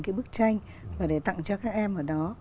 cái bức tranh và để tặng cho các em ở đó